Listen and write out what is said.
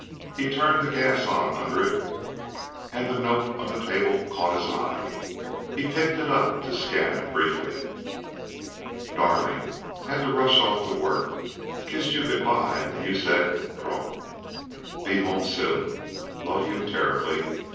He turned the gas on under it and the note on the table caught his eye. He picked it up to scan it briefly. DARLING, HAD TO RUSH OFF TO WORK. KISSED YOU GOOD BY AND YOU SAID "GLUMPTH". BE HOME SOON. LOVE YOU TERRIBLY.